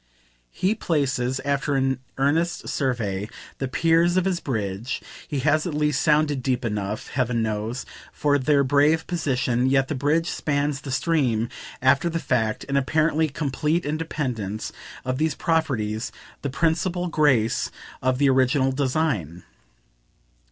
He places, after an earnest survey, the piers of his bridge he has at least sounded deep enough, heaven knows, for their brave position; yet the bridge spans the stream, after the fact, in apparently complete independence of these properties, the principal grace of the original design.